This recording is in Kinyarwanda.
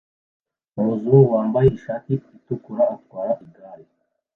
Umuzungu wambaye ishati itukura atwara igare